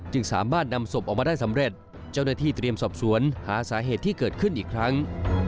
สามารถนำศพออกมาได้สำเร็จเจ้าหน้าที่เตรียมสอบสวนหาสาเหตุที่เกิดขึ้นอีกครั้ง